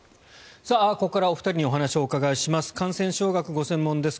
ここからはお二人にお話をお伺いします。